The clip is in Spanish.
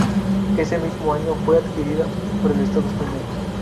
Ese mismo año fue adquirida por el estado español.